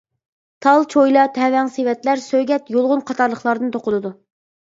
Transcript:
تال چويلا، تەۋەڭ، سېۋەتلەر سۆگەت، يۇلغۇن قاتارلىقلاردىن توقۇلىدۇ.